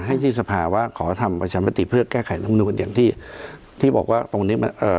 ให้ที่สภาว่าขอทำประชามติเพื่อแก้ไขลำนูนอย่างที่ที่บอกว่าตรงนี้มันเอ่อ